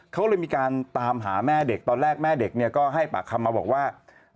เขาเลยมีการตามหาแม่เด็กตอนแรกแม่เด็กเนี่ยก็ให้ปากคำมาบอกว่า